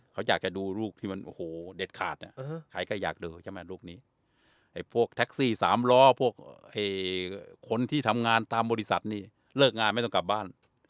เขาอยากจะดูลูกที่มันโอ้โหเด็ดขาดใครก็อยากดูใช่ไหมลูกนี้ไอ้พวกแท็กซี่สามล้อพวกคนที่ทำงานตามบริษัทนี่เลิกงานไม่ต้องกลับบ้าน